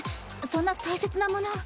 そんな大切なもの。